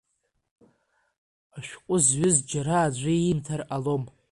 Ашәҟәы зҩыз џьара аӡәы иимҭар ҟалом.